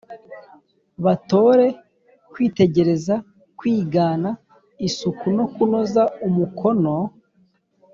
batore kwitegereza, kwigana, isuku no kunoza umukono.